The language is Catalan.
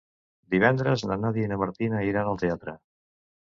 Divendres na Nàdia i na Martina iran al teatre.